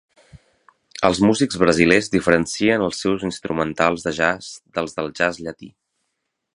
Els músics brasilers diferencien els seus instrumentals de jazz dels del jazz llatí.